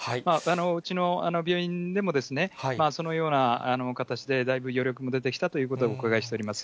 うちの病院でも、そのような形で、だいぶ余力も出てきたということをお伺いしております。